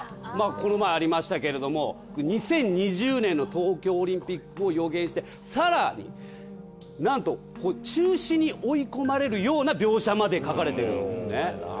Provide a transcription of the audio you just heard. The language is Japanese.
この前ありましたけれども２０２０年の東京オリンピックを予言して更になんと中止に追い込まれるような描写まで描かれてるんですよね。